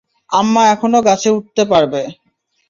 আম্মা, এখনও গাছে উঠতে পারবে?